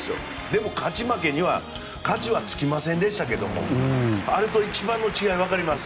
でも勝ち負けは勝ちはつきませんでしたがあれと一番の違いわかります？